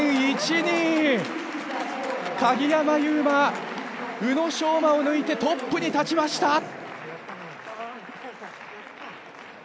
鍵山優真、宇野昌磨を抜いてトップに立ちました！